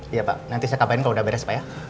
iya pak nanti saya kabarin kalau udah beres pak ya